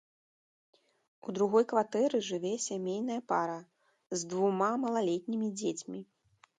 У другой кватэры жыве сямейная пара з двума малалетнімі дзецьмі.